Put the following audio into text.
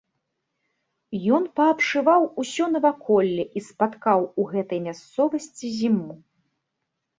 Ён паабшываў усё наваколле і спаткаў у гэтай мясцовасці зіму.